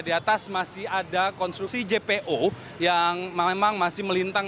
di atas masih ada konstruksi jpo yang memang masih melintang